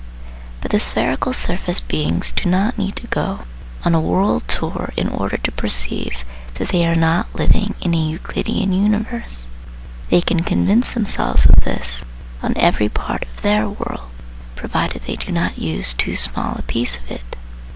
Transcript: But the spherical surface beings do not need to go on a world tour in order to perceive that they are not living in a Euclidean universe. They can convince themselves of this on every part of their " world," provided they do not use too small a piece of it.